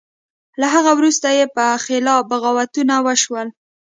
له هغه وروسته یې په خلاف بغاوتونه وشول.